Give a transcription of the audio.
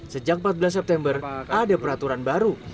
sejak empat belas september ada peraturan baru